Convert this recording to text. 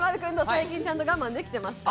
最近ちゃんと我慢できてますか？